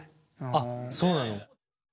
あっそうなの？